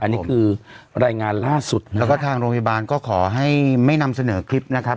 อันนี้คือรายงานล่าสุดแล้วก็ทางโรงพยาบาลก็ขอให้ไม่นำเสนอคลิปนะครับ